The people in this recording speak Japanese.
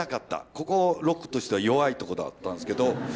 ここロックとしては弱いとこだったんですけど。